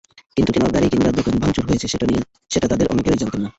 কিন্তু কেন গাড়ি কিংবা দোকান ভাঙচুর হয়েছে সেটা তাঁদের অনেকেই জানতেন না।